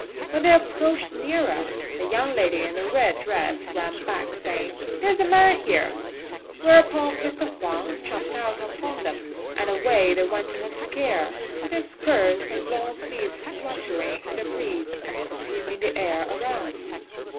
When they approached nearer, the young lady in the red dress ran back, saying, "There is a man here!" whereupon Mr. Huang jumped out upon them, and away they went in a scare, with their skirts and long sleeves fluttering in the breeze, and perfuming the air around.